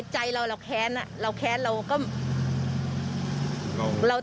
ใจเราเราแค้นเราแค้นเราก็